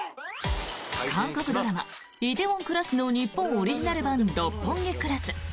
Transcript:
韓国ドラマ「梨泰院クラス」の日本オリジナル版「六本木クラス」。